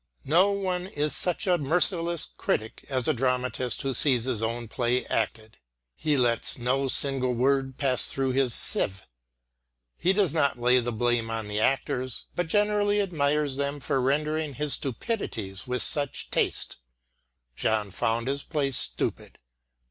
No one is such a merciless critic as a dramatist who sees his own play acted. He lets no single word pass through his sieve. He does not lay the blame on the actors, but generally admires them for rendering his stupidities with such taste. John found his play stupid.